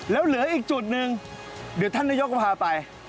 แล้วเหลืออีกจุดหนึ่งเดี๋ยวท่านนายกก็พาไป